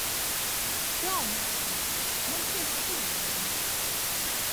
Čau, meitiņ! Man prieks, ka piezvanīji.